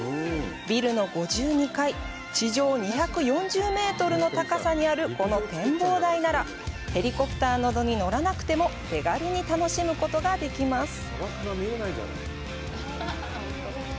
ビルの５２階、地上２４０メートルの高さにあるこの展望台ならヘリコプターなどに乗らなくても手軽に楽しむことができます。